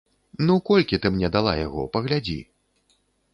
Ну, колькі ты мне дала яго, паглядзі.